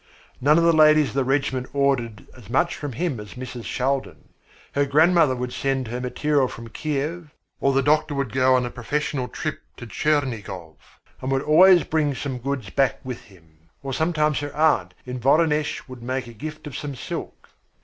None of the ladies of the regiment ordered as much from him as Mrs. Shaldin. Her grandmother would send her material from Kiev or the doctor would go on a professional trip to Chernigov and always bring some goods back with him; or sometimes her aunt in Voronesh would make her a gift of some silk.